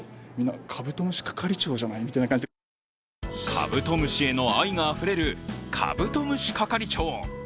カブトムシへの愛があふれるカブトムシ係長。